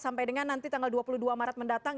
sampai dengan nanti tanggal dua puluh dua maret mendatang